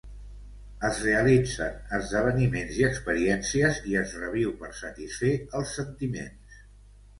Es realitzen esdeveniments i experiències i es reviu per satisfer els sentiments.